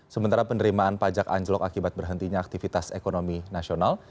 sementara penerimaan pajak anjlok akibat berhentinya aktivitas ekonomi nasional